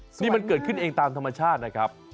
นี่มันเกิดขึ้นเองตามธรรมชาตินะครับ